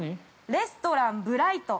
レストラン・ブライト。